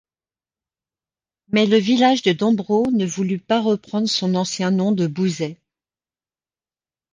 Mais le village de Dombrot ne voulut pas reprendre son ancien nom de Bouzey.